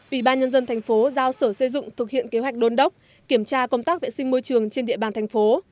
ủy ban nhân dân thành phố giao sở xây dựng thực hiện kế hoạch đôn đốc kiểm tra công tác vệ sinh môi trường trên địa bàn thành phố